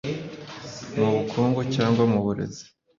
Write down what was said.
mu bukungu cyangwa mu burezi